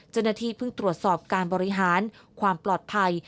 เจนทีพึ่งตรวจสอบการบริหารความปลอดภัย